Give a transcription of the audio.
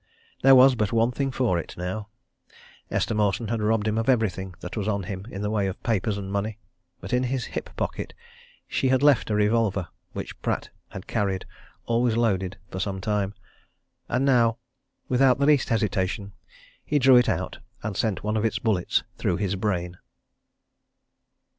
There was but one thing for it, now. Esther Mawson had robbed him of everything that was on him in the way of papers and money. But in his hip pocket she had left a revolver which Pratt had carried, always loaded, for some time. And now, without the least hesitation, he drew it out and sent one of its bullets through his brain.